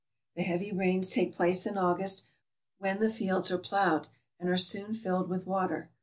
The heavy rains take place in August, when the fields are plowed, and are soon filled with water.